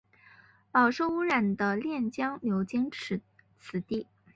饱受污染的练江流经此地。